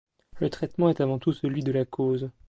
Le traitement est avant tout celui de la cause.